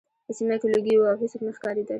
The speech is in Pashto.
په سیمه کې لوګي وو او هېڅوک نه ښکارېدل